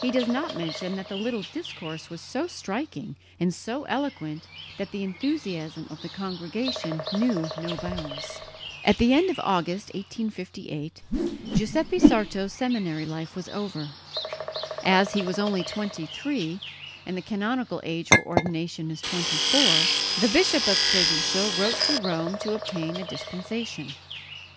He does not mention that the little discourse was so striking and so eloquent that the enthusiasm of the congregation knew no bounds. At the end of August, 1858, Giuseppe Sarto's seminary life was over. As he was only twenty three, and the canonical age for ordination is twenty four, the Bishop of Treviso wrote to Rome to obtain a dispensation.